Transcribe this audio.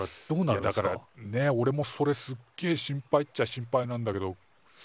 いやだからねおれもそれすっげえ心配っちゃ心配なんだけど。